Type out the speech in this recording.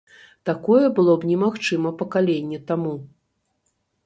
Такое было б немагчыма пакаленне таму.